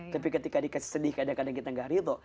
tapi ketika dikasih sedih kadang kadang kita gak ridho